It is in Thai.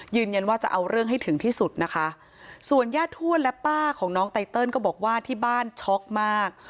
ยืนยันว่าจะเอาเรื่องให้ถึงที่สุดนะคะส่วนญาติทวดและป้าของน้องไตเติลก็บอกว่าที่บ้านช็อกมาก